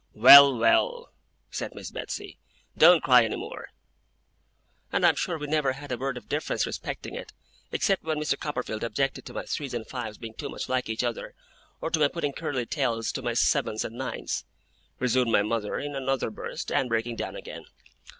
'Well, well!' said Miss Betsey. 'Don't cry any more.' 'And I am sure we never had a word of difference respecting it, except when Mr. Copperfield objected to my threes and fives being too much like each other, or to my putting curly tails to my sevens and nines,' resumed my mother in another burst, and breaking down again.